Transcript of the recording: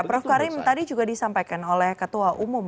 prof karim tadi juga disampaikan oleh ketua umum